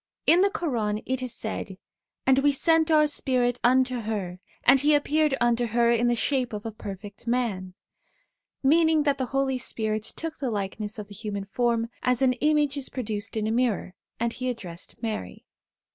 In the Quran it is said :' And We sent Our Spirit unto her, and he appeared unto her in the shape of a perfect man,' 1 meaning that the Holy Spirit took the likeness of the human form, as an image is produced in a mirror, and he addressed Mary.